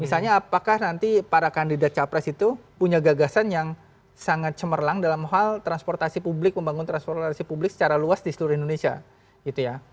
misalnya apakah nanti para kandidat capres itu punya gagasan yang sangat cemerlang dalam hal transportasi publik membangun transportasi publik secara luas di seluruh indonesia gitu ya